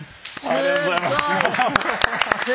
ありがとうございます。